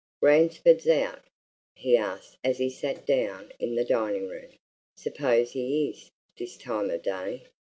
"Ransford out?" he asked as he sat down in the dining room. "Suppose he is, this time of day."